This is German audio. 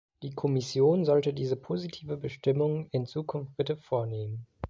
Die Kommission sollte diese positive Bestimmung in Zukunft bitte vornehmen.